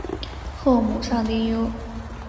后母丧丁忧。